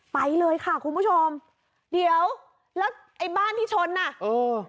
ไปเลยค่ะคุณผู้ชมเดี๋ยวแล้วไอ้บ้านที่ชนอ่ะเออ